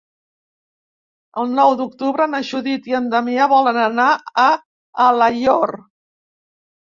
El nou d'octubre na Judit i en Damià volen anar a Alaior.